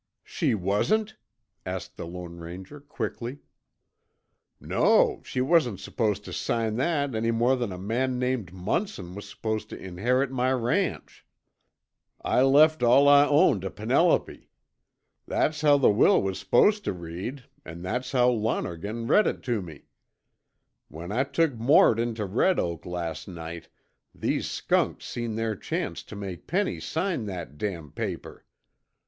"She wasn't?" asked the Lone Ranger quickly. "No, she wasn't supposed tuh sign that any more than a man named Munson was supposed tuh inherit my ranch. I left all I own tuh Penelope. That's how the will was supposed tuh read an' that's how Lonergan read it tuh me. When I took Mort into Red Oak last night, these skunks seen their chance tuh make Penny sign that damned paper.